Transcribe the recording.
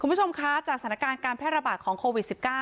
คุณผู้ชมคะจากสถานการณ์การแพร่ระบาดของโควิด๑๙